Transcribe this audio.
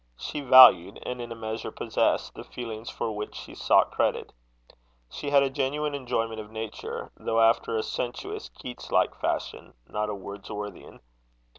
She valued, and in a measure possessed, the feelings for which she sought credit. She had a genuine enjoyment of nature, though after a sensuous, Keats like fashion, not a Wordsworthian.